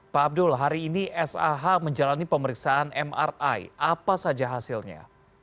pak abdul hari ini sah menjalani pemeriksaan mri apa saja hasilnya